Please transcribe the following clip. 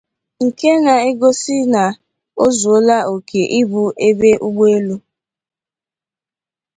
nke na-egosi na o zuola òkè ịbụ ebe ụgbọelu